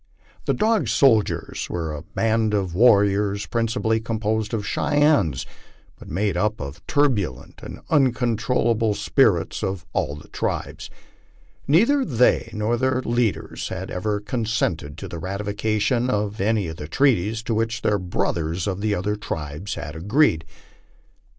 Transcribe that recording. The Dog Soldiers " were a hand of warriors principally composed of Cheyennes, hut made up of the turbulent and uncontrollable spirits of all the tribes. Neither they nor their leaders had ever consented to the ratification of any of the treaties to which their brothers of the other tribes had agreed.